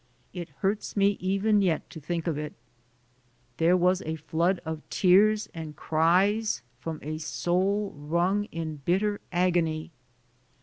It hurts me even yet to think of it. There was a flood of tears and cries from a soul wrung in bitter agony.